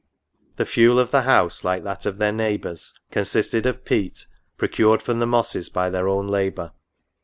The fuel of the house, like that of their neighbours, consisted of peat, procured from the mosses by their own labour.